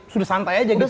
sudah santai aja gitu